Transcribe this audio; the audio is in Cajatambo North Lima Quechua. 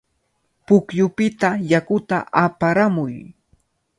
Pukyupita yakuta aparamuy.